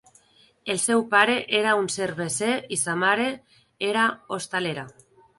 El seu pare era un cerveser i sa mare era hostalera.